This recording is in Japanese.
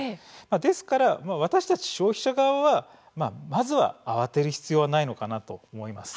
ですから私たち消費者側はまずは慌てる必要はないのかなと思います。